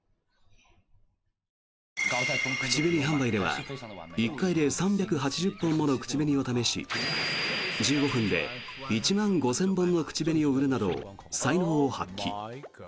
口紅販売では１回で３８０本もの口紅を試し１５分で１万５０００本の口紅を売るなど才能を発揮。